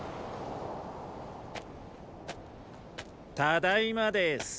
ただいまです。